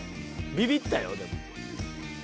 ［ビビったよでも］